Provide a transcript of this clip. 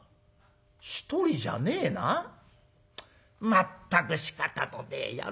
まったくしかたのねえ野郎だ。